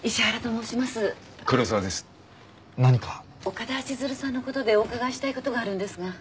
岡田千鶴さんのことでお伺いしたいことがあるんですが。